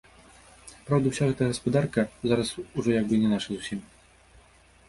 Праўда, уся гэта гаспадарка зараз ужо як бы і не наша зусім.